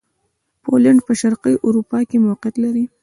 پولېنډ په شرقي اروپا کښې موقعیت لري.